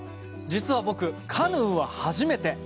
実は僕、カヌーは初めて！